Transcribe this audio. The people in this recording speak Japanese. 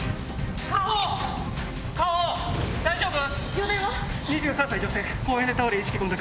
大丈夫？